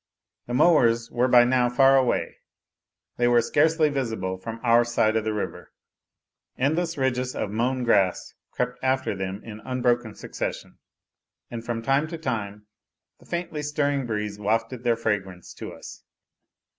The mowers were by now far away ; they were scarcely visible from our side of the river ; endless ridges of mown grass crept after them in unbroken succession, and from time to time the faintly stirring breeze wafted their fragrance to us.